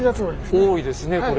多いですねこれ。